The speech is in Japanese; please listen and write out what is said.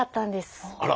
あら！